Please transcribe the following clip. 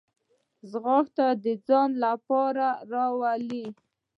ځغاسته د ځان باور راولي